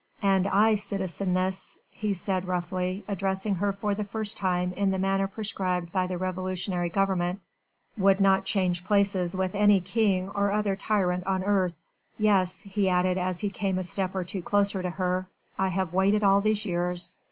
"And I, citizeness," he said roughly, addressing her for the first time in the manner prescribed by the revolutionary government, "would not change places with any king or other tyrant on earth. Yes," he added as he came a step or two closer to her, "I have waited all these years.